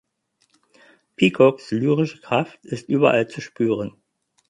Peacocks lyrische Kraft ist überall zu spüren.